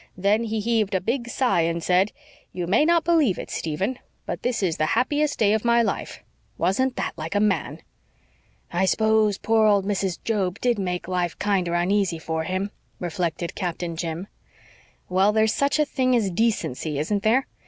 Then he heaved a big sigh and said, 'You may not believe it, Stephen, but this is the happiest day of my life!' Wasn't that like a man?" "I s'pose poor old Mrs. Job did make life kinder uneasy for him," reflected Captain Jim. "Well, there's such a thing as decency, isn't there?